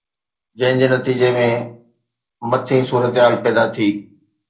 جنهن جي نتيجي ۾ مٿين صورتحال پيدا ٿي